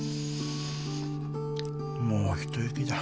もう一息だ。